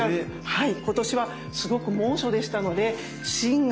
はい。